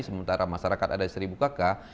sementara masyarakat ada seribu kakak